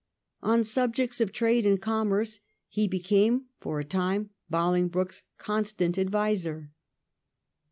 On subjects of trade and com merce he became for a time Bolingbroke's constant adviser.